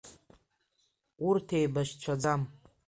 Урҭ еибашьцәаӡам…